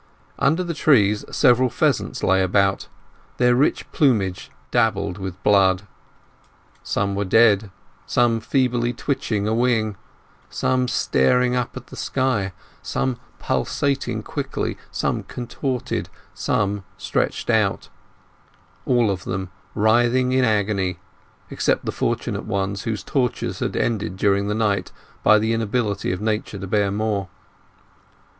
Under the trees several pheasants lay about, their rich plumage dabbled with blood; some were dead, some feebly twitching a wing, some staring up at the sky, some pulsating quickly, some contorted, some stretched out—all of them writhing in agony, except the fortunate ones whose tortures had ended during the night by the inability of nature to bear more.